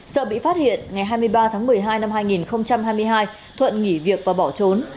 sợ bị phát hiện ngày hai mươi ba tháng một mươi hai năm hai nghìn hai mươi hai thuận nghỉ việc và bỏ trốn